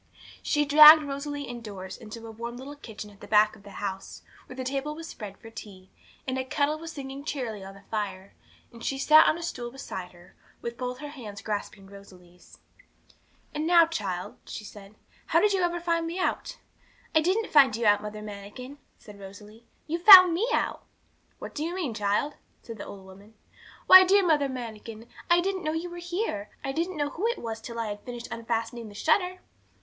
She dragged Rosalie indoors into a warm little kitchen at the back of the house, where the table was spread for tea, and a kettle was singing cheerily on the fire; and she sat on a stool beside her, with both her little hands grasping Rosalie's. 'And now, child,' she said, 'how ever did you find me out?' 'I didn't find you out, Mother Manikin,' said Rosalie; 'you found me out.' 'What do you mean, child?' said the old woman. 'Why, dear Mother Manikin, I didn't know you were here. I didn't know who it was till I had finished unfastening the shutter.'